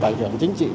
ảnh hưởng chính trị